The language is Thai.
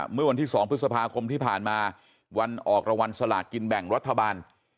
เมื่อวันที่๒พฤษภาคมที่ผ่านมาวันออกรางวัลสลากกินแบ่งรัฐบาล